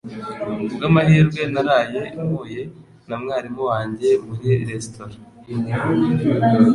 Ku bw'amahirwe, naraye mpuye na mwarimu wanjye muri resitora.